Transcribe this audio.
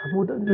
kamu akan sembuh